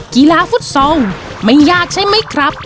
กีฬาฟุตซอลไม่ยากใช่ไหมครับ